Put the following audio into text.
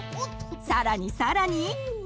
さらにさらに！